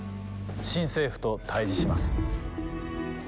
新政府と対じします。